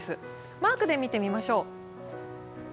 マークで見てみましょう。